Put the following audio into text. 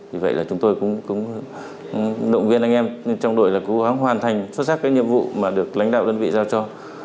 vì vậy là chúng tôi cũng động viên anh em trong đội là cố gắng hoàn thành xuất sắc cái nhiệm vụ mà được lãnh đạo đơn vị giao cho